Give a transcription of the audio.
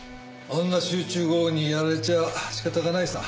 あんな集中豪雨にやられちゃ仕方がないさ。